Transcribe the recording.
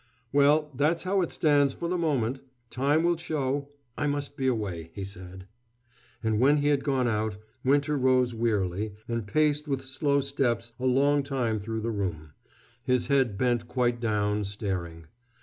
"Well, that's how it stands for the moment. Time will show I must be away," he said. And when he had gone out, Winter rose wearily, and paced with slow steps a long time through the room, his head bent quite down, staring.